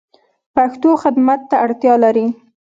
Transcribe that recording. پښتو خدمت ته اړتیا لری